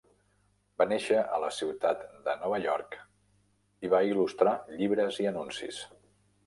Va néixer a la ciutat de Nova York i va il·lustrar llibres i anuncis.